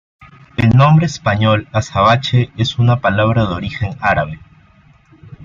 El nombre español azabache es una palabra de origen árabe.